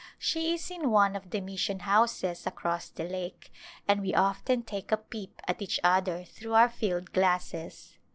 She is in one of the mis sion houses across the lake and we often take a peep at each other through our field glasses.